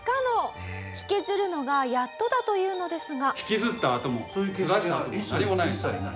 引きずるのがやっとだというのですが。